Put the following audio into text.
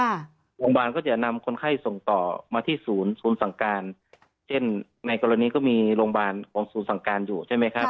โรงพยาบาลก็จะนำคนไข้ส่งต่อมาที่ศูนย์ศูนย์สั่งการเช่นในกรณีก็มีโรงพยาบาลของศูนย์สั่งการอยู่ใช่ไหมครับ